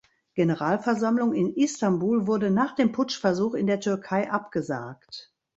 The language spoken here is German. Generalversammlung in Istanbul wurde nach dem Putschversuch in der Türkei abgesagt.